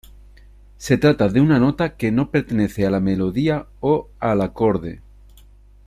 Se trata de una nota que no pertenece a la melodía o al acorde.